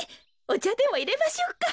おちゃでもいれましょうか。